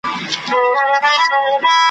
له ظالمه که مظلوم په راحت نه وي ,